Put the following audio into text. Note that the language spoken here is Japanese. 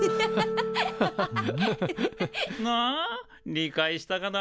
理解したかな？